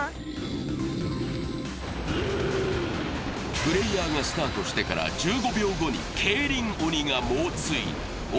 プレーヤーがスタートしてから１５秒後に競輪鬼が猛追。